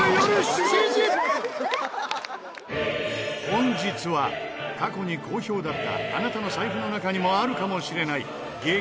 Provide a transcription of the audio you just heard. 本日は過去に好評だったあなたの財布の中にもあるかもしれない激